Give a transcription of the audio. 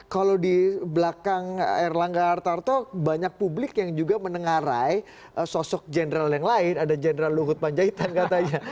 kalau di belakang erlangga hartarto banyak publik yang juga menengarai sosok general yang lain ada jenderal luhut panjaitan katanya